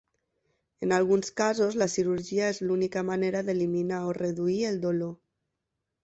En alguns casos, la cirurgia és l'única manera d'eliminar o reduir el dolor.